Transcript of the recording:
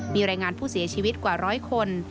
มีรายงานผู้เสียชีวิตกว่าร้อยคน